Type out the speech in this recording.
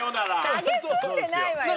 さげすんでないわよ。